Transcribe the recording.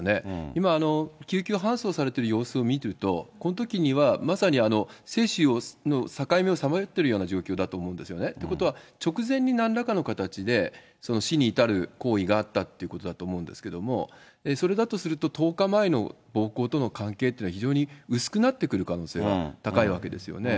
今、救急搬送されている様子を見ると、このときには、まさに生死の境目をさまよっているような状況だと思うんですよね。ということは、直前になんらかの形で、死に至る行為があったっていうことだと思うんですけれども、それだとすると、１０日前の暴行との関係というのは非常に薄くなってくる可能性が高いわけですよね。